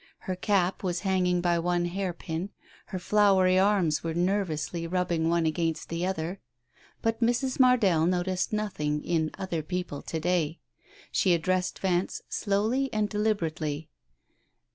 Her cap was hanging by one hairpin, her floury arms were ner vously rubbed one against the^other. But Mrs. Mardell noticed nothing in other people to day. She addressed Vance slowly and deliberately.